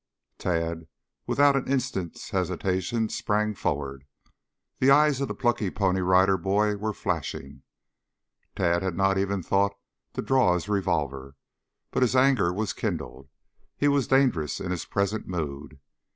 Tad, without an instant's hesitation, sprang forward. The eyes of the plucky Pony Rider Boy were flashing. Tad had not even thought to draw his revolver. But his anger was kindled. He was dangerous in his present mood.